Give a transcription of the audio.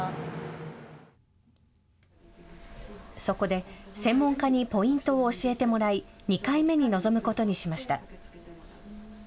そこで、専門家にポイントを教えてもらい２回目に臨むことにしました。